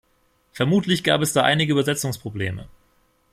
Vermutlich gab es da einige Übersetzungsprobleme.